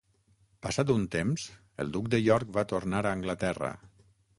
Passat un temps el duc de York va tornar a Anglaterra.